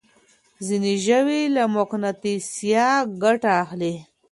ځينې ژوي له مقناطيسه ګټه اخلي.